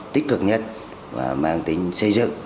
tích cực nhất và mang tính xây dựng